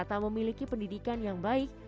tak memiliki pendidikan yang baik